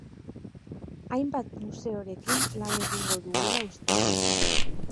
Hainbat museorekin lan egingo dugula uste dut.